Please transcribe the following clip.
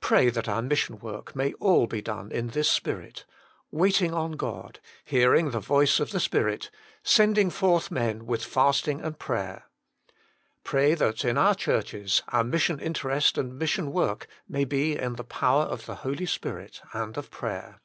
Pray that our mission work may all be done in this spirit waiting on God, hearing the voice of the Spirit, sending forth men with fasting and prayer. Pray that in our churches our mission interest and mission work may be in the power of the Holy Spirit and of prayer.